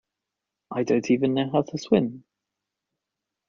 I don’t even know how to swim!